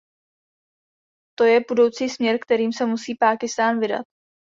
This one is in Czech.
To je budoucí směr, kterým se musí Pákistán vydat.